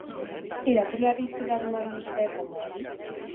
Irakurleari zure arima biluztea ez al da hori?